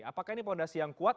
apakah ini fondasi yang kuat